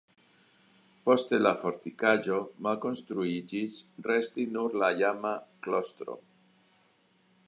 Poste la fortikaĵo malkonstruiĝis, restis nur la iama klostro.